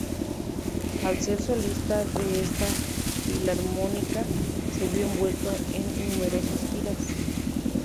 Al ser solista de esta filarmónica se vio envuelto en numerosas giras.